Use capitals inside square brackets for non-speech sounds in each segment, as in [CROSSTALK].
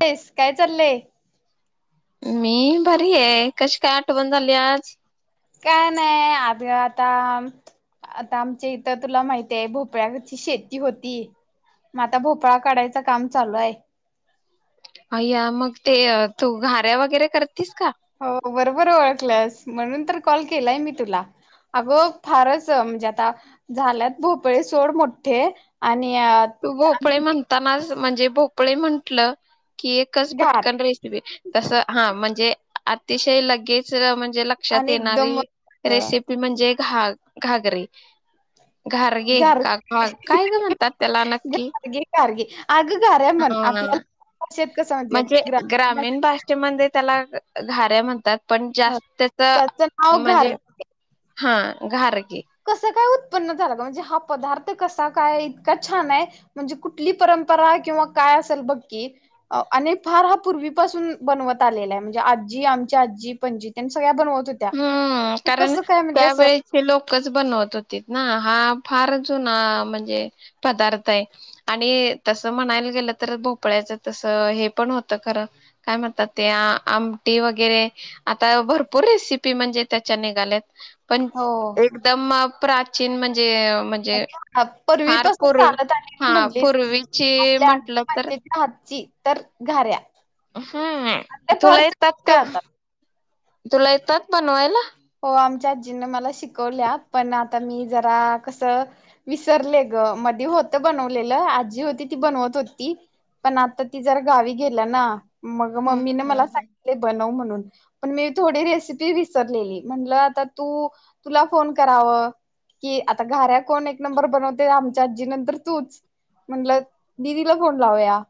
तेस काय चाललंय? मी बरी आहे कशी काय आठवण झाली आज. काय नाही आग आता आता आमच्या इथं तुला माहित आहे भोपळ्याची शेती होती मग आता भोपळा काढायच काम चालू आहे. अ्या मग ते तू घाऱ्या वगैरे करतीस का? हो बरोबर ओळखल्यास म्हणून तर कॉल केलाय मी तुला अग फारच म्हणजे आ झाल्यात भोपळे सोड मोठे आणी तू भोपळे म्हणताना म्हणजे भोपळे म्हंटलं कि एकच घार पटकन रेसिपी तसं हा म्हणजे. अतिशय लगेच म्हन जे लक्षात आणि येणारी एकदम रेसिपी म्हणजे. घा घागरे घारगे घार का का काय ग म्हणतात? चला नक्की घारगे घारगे आग घाऱ्या म्हण हा आपल्याला. भाषेत कसं म्हणजे ग्रामीण भाषेत भाषेमध्ये त्याला घाऱ्या म्हणतात पण जास्त त त्याचं नाव घार म्हणजे ह घारे कसं काय उ उत्न्न झाला म्हणजे हा पदार्थ कसा काय इतका छान आहे, म्हणजे कुठली परंपरा किंवा काय असेल बगकी, अ आणि फार हा पूर्वीपासून बनवत आलेला आहे म्हणजे आजी, आमच्या आजी, पणजी त्यां सगळ्या. बनवत होत्या हूं हे कारण कसं काय म्हणजे असं त्यावेळेचे लोकच बनवत होती ना हा फार जुना म्हणजे पदार्थ आहे आणि तस म्हणायला गेलं तर भोपळ्याच तस हे पण होत खर काय म्हणतात ते आमटी वगैरे आता भरपूर रेसि पी म्हणजे त्याच्या निघाल्यात. पण हो एकदम. प्राचीन म्हणजे म्हणजे [UNINTELLIGIBLE] फार पूर्वीपासून पूर्वी चालत आलेली हा म्हणलीस, पूर्वीची आपल्या आजी म्हंटलं तर पंजीच्या हातची तर घाऱ्या आणि हम्म त्या फार तुला येतात चविष्ट का? होतात तुला येतात बनवायला? हो आमच्या आजीनं मला शिकवल्या, पण आता मी जरा कसं विसरले गं, मदी होत बनवलेलं आजी होती ती बनवत होती, पण आता ती जरा गावी गेल्या ना मग हम्म मम्मीन हम्म मला हम्म सांगितले बनव म्ह णून पण मी थोडी रेसिपी विसरलेली. म्हणलं आता तू तुला फोन कराव की आता घाऱ्या कोण एक नंबर बनवते, आमच्या आजीनंतर तूच, म्हणलं दीदीला फोन लाउया.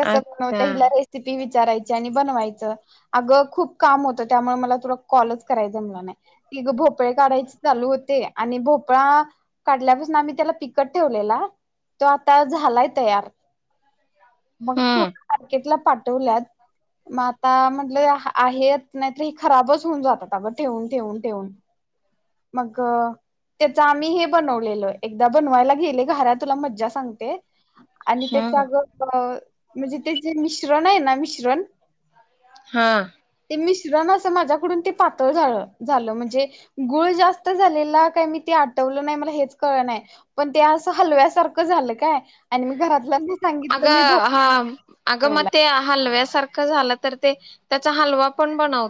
कस अच्छा बनवते हिला रेसिपी वि चारायची आणि बनवायचं, अग खुप काम होत त्यामुळ मला तुला कॉलच कराय जमलं नाई, ई गं भोपळे काढायच चालू होते आणि भोपळा काढल्यापासन आम्ही त्याला पिकत ठेवलेला, तो आता झालाय तयार मंग हम्म थोडं मार्केटला पाठवल्यात म आता म्हणलं हा आहेत नाहीतर ही खराबच थुन जातात आग ठेवून ठेवून ठेवून, मग त्येच आम्ही हे बनवलेल, एकदा बनवायला गेले घाऱ्या तुला मज्जा सांगते. आणि हम्म त्येचाग [UNINTELLIGIBLE] म्हणजे ते जे मिश्रण आय ना मिश्रण हा. ते मिश्रण अस माज्या उकडून ते पातळ झाळ झालं म्हणजे गुळ जास्त झालेला काय मी ते आटवल नाई मला हेच कळल नाई, पण ते असं हलव्यासारख झालं काय आणि मी घरातल्यांना अग सांगितलं मी भोपळा हा अग म ठेवलाय ते हलव्यास सारखं झाल तर ते त्याचा हलवा पण बनव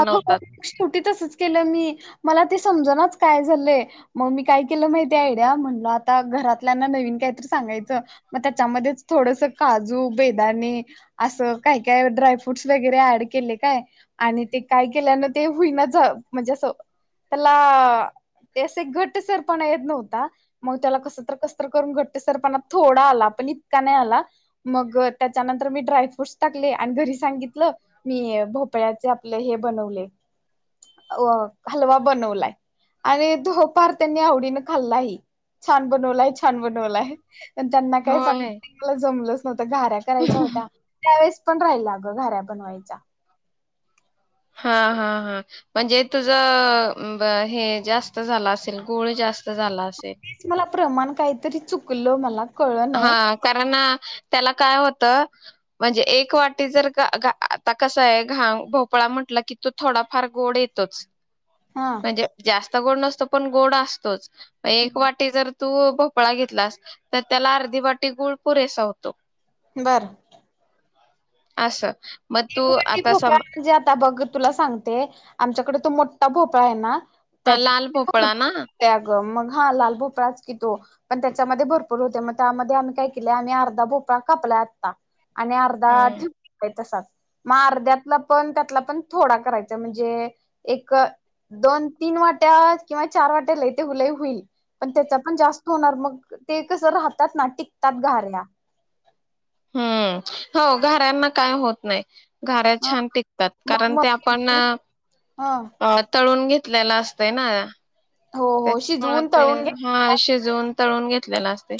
अग मग शेवटी तसच केलं मी मला ते समजणाच काय झालय मग मी काय केलं माहिते आयडिया, म्हणलं आता घरातल्यांना नवीन कायतर सांगायचं, मग त्याच्यामध्येच थोडस काजू, बेदाणे असं काय काय ड्रायफ्रूटस वगैरे ऍड केले काय आणि ते काय केल्यानं ते हुईनाच झा म्हणजे असं त्याला ते अस एक घट्ट सरपणा येत नव्हता, मग त्याला कस तर कस तर करून घट्ट सरपणा थोडा आला, पण इतका नाय आला मग त्याच्यानंतर मी ड्रायफ्रूटस् क्ले आणि घरी सांगितलं मी भोप ते आपल हे बनवले, अ हलवा बनवलाय आणि तो पार त्यांनी आवडीन खाल्ला ही छान बनवलाय, छान बनवलाय पण त्यांना काय सांगु होय [UNINTELLIGIBLE] मला जमलच घाऱ्या करायच्या होत्या, त्यावेळेस पण राहिल्या अगं घाऱ्या बनवायच्या. हा हा हा म्हणजे तुझ ब हे जास्त झालं असेल गुळ जास तेच मला प्रमाण काइतरी चुकलं मला कळ नाही हा कारण त्याला काय होतं. म्हणजे एक वाटी जर का अ का आ आता कस आय, घा भोपळा म्हटलं की तो थोडाफार गोड येतोच. हा म्हणजे जास्त तो गोड नसतो, पण गोड असतोच. एक वाटी जर तू भोपळा घेत लास त्याला अर्धी वाटी गुळ पुरेसा होतो. बरं. असं. मग तू एक वाटी आता भोपळा सम म्हणजे आता बघ तुला सांगते, आमच्याकड तो मोठा भोपळा आहे ना हा लाल त्याच्या भोपळा ना? त्या ग मग हा लाल भोपळाच कि तो, पण त्याच्यामध्ये भरपूर होते. मग त्यामध्ये आम्ही काय केलं आम्ही अर्धा भोपळा कापलाय आत्ता. आणि अर्धा हम्म ठेवलाय तसाच. मग अर्ध्यातला पण त्यातला पण थोडा करायचा म्हणजे, एक दोन तीन वाट्या किंवा चार वाट्याला ते लई होईल पण त्याचा पण जास्त होणार मग ते कसं राहतात ना टिकतात घाऱ्या. हम्म. हो घाऱ्याना काय होत नाही. घाऱ्या ह छान टिकतात, मग कारण ते आपण मग हा तळून घे लेला असतय ना. हो हो त्याच्यामुळे शिजवून ते, तळून घ्या हा शिजवुन तळून घेतलेला असतय,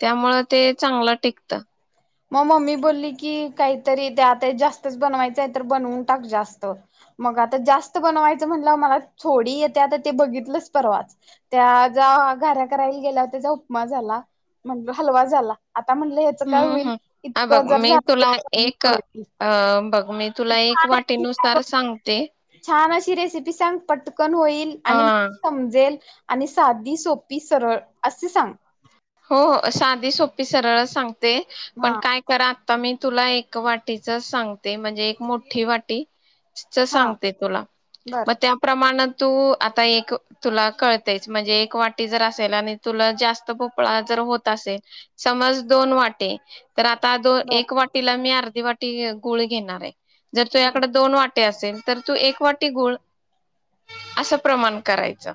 त्यामुळे ते चांगलं टिकत. मग मम्मी बोलली की काहीतरी दे, आता जास्तच बनवायचं आहे तर बनवून टाक जास्त. मग आता जास्त बनवायचं म्हटलं मला थोडी येते आता ते बघितलंच परवाच त्या ज्या घाऱ्या करायला गेल्यावर त्याचा उपमा झाला, म्हणलो हलवा झाला. आता म्हणलं, ह्याचं हम्म काय होईल हम्म हा बघ इतकं जर मी झालं तर तुला कमी एक करतील अ बघ मी तुला एक वाटीनुसार [UNINTELLIGIBLE] सांगते छान अशी रेसिपी सांग, पटकन होईल हा आणि मला समजेल. आणि साधी, सोपी, सरळ अशी सांग. हो हो साधी, सोपी, सरळ सांगत ते हा पण काय कर आता मी तुला एक वाटीच सांगते, म्हणजे एक मोठी वाटी च हा सांगते तुला, बर मग त्या प्रमाणात तू आता एक तुला कळतयचं म्हणजे एक वाटी जर असेल आणि तुला जास्त जर भोपळा जर होत असेल, समज दोन वाटी तर आता तो बर एक वाटीला मी अर्धा वाटी गुळ घेणार आहे. जर हम्म तुझ्याकड दोन वा टी असेल तर तू एक वाटी गुळ, असं प्रमाण करायच.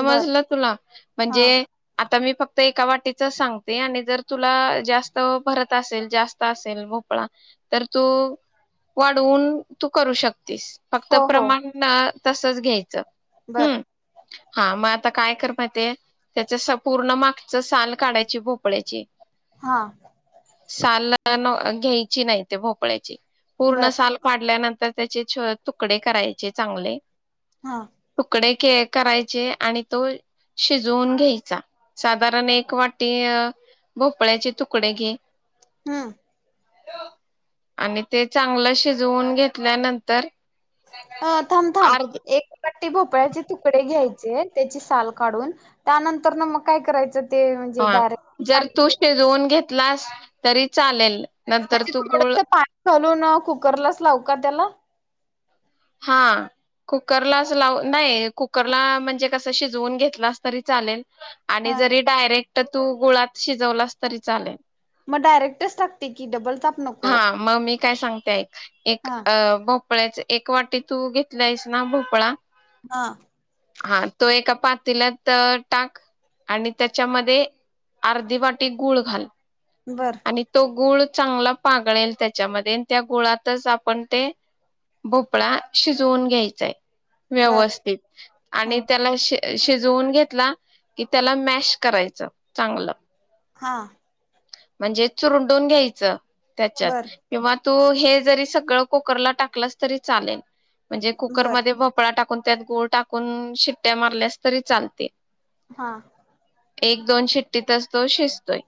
बर तुला, हा म्हणजे आ तर मी फक्त ते एका वाटीच सांगते आणि जर तुला जास्त भरत असेल जास्त असेल भोपळा तर तू वाढवून तू करू शक तीस फक्त हो प्रमाण तसचं घ्यायचं. बरं. हम्म हा म आता काय कर माहिती आहे त्याच स पूर्ण माग साल काढायची भोपळ्याची हा सालन घ्यायची नाही ते भोपळ्याची. पूर्ण बर साल काढल्यानं तर त्याचे छ तुकडे करायचे चांगले. हा तुकडे के करायचे आणि तो शिजवून घ्यायचा. साधारण एक वाटी अ भोपळ्याचे तुकडे घे हम्म. आणि ते चांगलं शिजवून घेतल्यानंतर अ थांब थांब अर्ध एक वा टी भोपळ्याचे तुकडे घ्यायचे त्याची साल काढून त्यानंतर न मग काय करायचं? ते म्हणजे हा डायरेक्ट जर पाणी तू घालून, शिजवून घेत लास तरी चालेल. नंतर म्हणजे तू गूळ थोडस पाणी घालून कुकरलाच लावू का त्याला? हा कुकरलाच लाव नाही कुकरला म्हणजे कसं शिजवून घेतलास तरी चालेल आणि ह जरी डायरेक्ट तर तू गुळात शिजवलास तरी चालेल. मग डायरेक्टच टाकते की डबल ताप नको. हा मग मी काय सांगते ऐक एक हा अ ब पळ्याचे एक वाटी तू घेतलायस ना भोपळा हा. हा तो एका पातेल्यात टाक आणि त्याच्यामध्ये अर्धी वाटी गूळ घाल बर आणि तो गुळ चांगलं पागळेल त्याच्यामध्ये आणि त्या गुळातच आपण ते भोपळा शिजवून घ्यायचाय बर व्यवस्थित. ह आणि त्याला शिजवून घेतला की त्याला मॅश करायचं चांगलं. हा. म्हणजे चुरडून घ्यायचं त्याच्यात बर किंवा, तू हे जरी सगळं कुकरला टाकलंस तरी चालेल. म्हणजे बर कुकरमध्ये भोपळा टाक. त्यात गुळ टाकून शिट्टया मारल्यास तरी चालते. हा, एक दोन शिट्टीतच तो शिजतोय.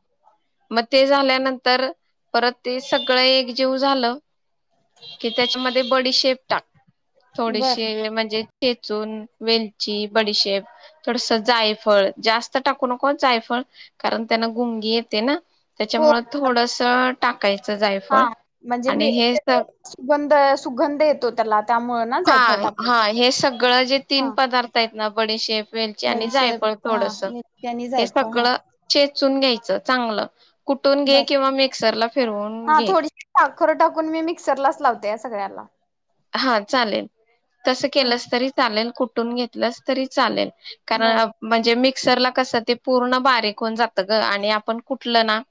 मग ते झाल्यानंतर परत ते सगळं एकजीव झालं की त्याच्यामध्ये बडीशेप टाक. बर थोडीशी म्हणजे ठेचून वेलजी, बडीशेप थोडस जायफळ जास्त टाकू नको जायफळ कारण त्यांना गुंगी येते ना, त्याच्यामुळे हो थोडस, टाकायचं हा जायफळ म्हणजे आणि मी हे स सुगंध सुगंध येतो त्याला, त्यामुळे ना जायफळ हा हा टाकायची हे सगळं जे हा तीन पदार्थ आहेत. ना, बडी शेफ वेलची आणि बडीशेप जायफळ हा थोडस मिरची आणि हे जायफळ हा सगळं [INAUDIBLE] सुन घ्यायचं चांगलं, कुठून घे बर किंवा मिक्सरला फिरवून हा घे थोडीशी साखरं टाकून मी मिक्सरलाच लावते, या सगळ्याला हा चालेल. तसं हम्म केलंस तरी चालेल कुठ [UNINTELLIGIBLE] घेतलास तरी चालेल. बर कारण म्हणजे मी, मिक्सरला कसं ते पूर्ण बारीक होऊन जात ग आणि आपण कुठलं ना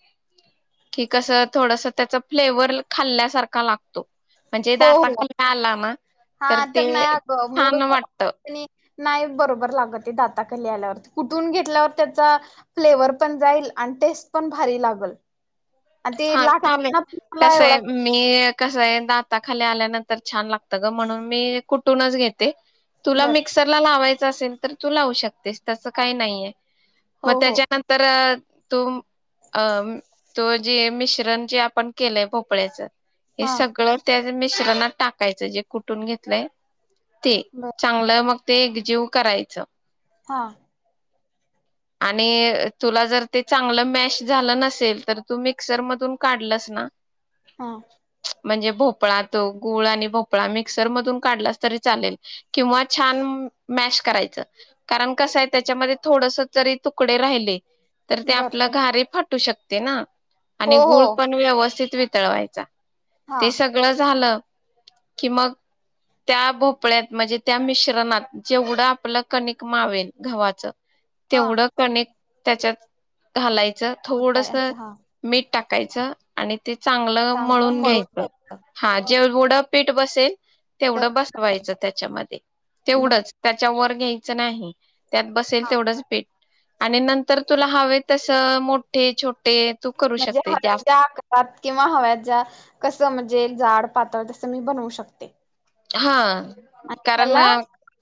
की कसं थोडस त्याच फ्लेवर खाल्ल्यासारखा लागतो. म्हणजे हो दाता खा हो आला ना हा तर ते नाही अगं मूड छान वाटत. आणि नाही बरोबर लागत ते दाताखाली आल्यावरती कुठून घेतल्यावर त्याचा फ्लेवर पण जाईल आणि टेस्ट पण भारी लागल. आणि ते हा लाट चालेल. [UNINTELLIGIBLE] मला कसं एवढा आहे मी कसं आहे दाता खाली आल्यानंतर छान लाग ग म्हणून मी कुठूनच घेते. तुला बर मिक्सरला लावाय असेल तर तू लावू शकतेस तसं काही नाहीये. हो मग हो त्याच्यानंतर तो अ तो, जे मिश्रण जे आपण केलंय भोपळ्याचं हे हा सगळं त्या मिश्रनात टाकायचं जे कुटून घेतलंय. ते बर चांगलं मग ते एकजीव करायचं. हा. आणि तुला जर ते चांगलं मॅश झालं नसेल, तर तू मिक्सर मधून काढलस ना हा. म्हणजे भोपळा तो गूळ आणि भोपळा मिक्सर मधून काढलस तरी चालेल, किंवा छान मॅश करायचं. कारण कसंय त्याच्यामध्ये थोडस जरी तुकडे राहिले तर ते बर आपलं घारे फा फाटू शकते ना. हो आणि हो गुळ पण व्यवस्थित वितळवायचा. हा ते सगळं झालं कि मग त्या भोपळ्यात म्हणजे त्या मिश्रणात जेवढं आपलं कणिक मावेल गव्हाचं हा तेवढं कनीक त्याच्यात घालाय च थोडस ओतायच हा मीठ टाकायचं आणि ते चांगलं मळून घ्यायचं. हा जेवढ पीठ बसेल तेवढं बसवायचं घ्यायचं त्याच्यामध्ये, तेवढंच त्याच्या वर घ्यायच नाही. त्यात बसेल हा तेवढंच पिठ आणि नंतर तुला हवे तस मोठे, छोटे तू करू म्हणजे शकते हव्या जास्त ज्या आकारात किंवा हव्या ज्या कस म्हणजे जाड पातळ तस मी बनवू शकते. हा. आणि कारण त्याला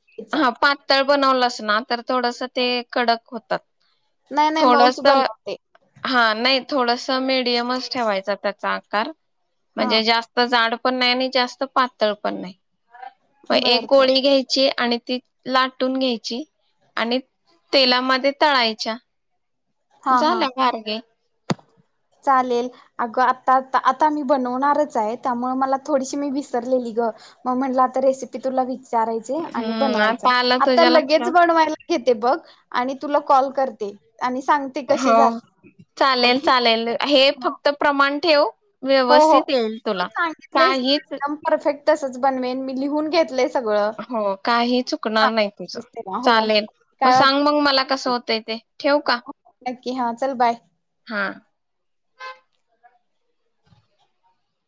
घ्यायचं हा पातळ बनवलंस ना तर थोडस ते कडक होतात. नाही नाही थोडस, मऊच बनवते हा नाही थोडस मिडियमच ठेवायच त्याचा कार. हा म्हणजे जास्त जाड पण नाही आणि जास्त पातळ पण नाही. मग एक बर बर गोळी घ्यायची आणि ती लाटून घ्यायची आणि तेलामध्ये तळायच्या. हा हा झालं. घारगे, चालेल अगं आता आता मी बनवणारच आहे, त्यामुळे मला थोडीशी मी विसरलेली ग मग म्हटलं आता रेसिपी तुला विचार विचारायचे आणि हम्म बनवायच आता आलं आता तुझ्या लगेच लक्षात बनवायला, घेते बघ आणि तुला कॉल करते. आणि सांगते कशी झाली. लेल हे फक्त प्रमाण ठेव. हो हो व्यवस्थित येईल तू तुला सांगितलेस ना काहीच एकदम परफेक्ट तसच बनवेन मी लिहून घेतलय. हो काही चुकणार नाही तुझं दिसते का हो चालेल मग काय वाटलं सांग मग मला कसं होतंय ते ठेवू का. की, हां चल बाय. हा.